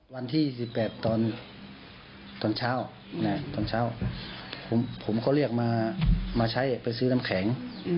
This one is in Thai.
วันที่๒๘ตอนเช้าผมเขาเรียกมาใช้ไปซื้อน้ำแข็ง